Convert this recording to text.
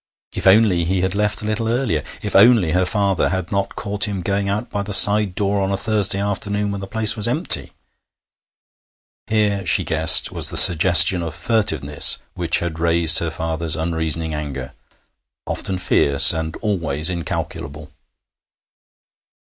If only he had left a little earlier! If only her father had not caught him going out by the side door on a Thursday afternoon when the place was empty! Here, she guessed, was the suggestion of furtiveness which had raised her father's unreasoning anger, often fierce, and always incalculable.